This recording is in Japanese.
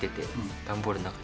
段ボールの中に。